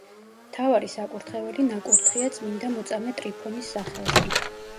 მთავარი საკურთხეველი ნაკურთხია წმინდა მოწამე ტრიფონის სახელზე.